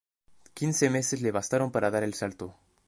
Quince meses le bastaron para dar el salto.